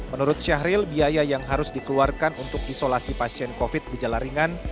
menurut syahril biaya yang harus dikeluarkan untuk isolasi pasien covid gejala ringan